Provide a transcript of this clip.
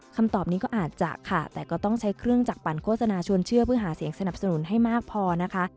คำตอบนี้ก็อาจจะค่ะแต่ก็ต้องใช้เครื่องจักรปั่นโฆษณาชวนเชื่อเพื่อหาเสียงสนับสนุนให้มากพอนะคะ